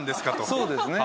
そうですね。